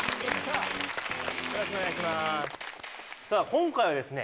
今回はですね